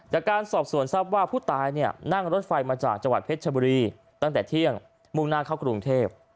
จากการสอบส่วนทราบว่าผู้ตายนั่งรถไฟมาจากจวาตเพชรบุรีตั้งแต่เที่ยงมุ่งหน้าเข้ากลุงเทพฯ